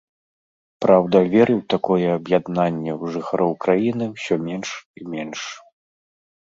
Праўда, веры ў такое аб'яднанне ў жыхароў краіны ўсё менш і менш.